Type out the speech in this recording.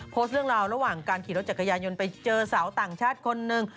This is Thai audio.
โพสต์เรื่องราวระหว่างการขี่รถจักรยานยนต์ไปเจอสาวต่างชาติคนหนึ่ง